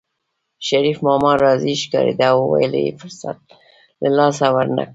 شريف ماما راضي ښکارېده او ویل یې فرصت له لاسه ورنکړو